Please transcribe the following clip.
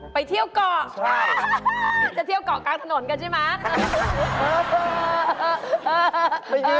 ไปเที่ยวก่อจะเที่ยวก่อกลางถนนกันใช่ไหมครับไม่ใช่